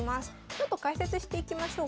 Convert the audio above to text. ちょっと解説していきましょうか。